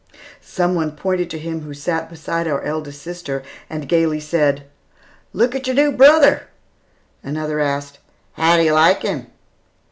Some one pointed to him who sat beside our eldest sister and gayly said, "Look at your new brother." Another asked, "How do you like him?"